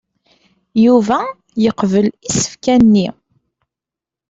Yuba yeqbel isefka-nni.